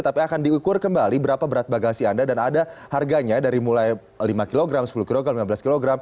tapi akan diukur kembali berapa berat bagasi anda dan ada harganya dari mulai lima kg sepuluh kg lima belas kg